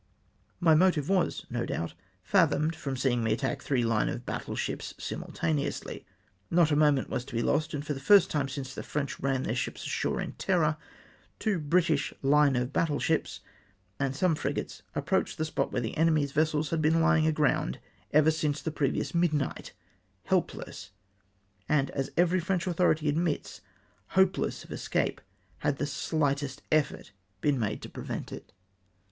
My motive was, no doubt, fathomed from seeing me attack three hne of battle ships simultaneously. Not a moment w^as to be lost, and for the first time, since the French ran then" ships ashore in terror, two British hne of battle ships, and some frigates, approached the spot Avhere the enemy's vessels had been lying aground ever since the previous midnight, helpless, and, as every French authority admits, hopeless of escape, had the shghtest effort been made to prevent it. VOL. I. F F 426 DESPATCH UXSATISFACTOET.